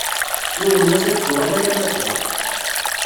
Yiwen n wass ad d-tuɣal alamma d da.